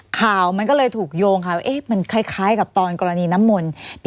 ข่าวมันก็เลยถูกโยงค่ะว่ามันคล้ายกับตอนกรณีน้ำมนต์